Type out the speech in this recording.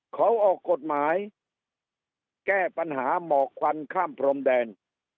เขาออกกฎหมายแก้ปัญหาหมอกควันข้ามพรมแดน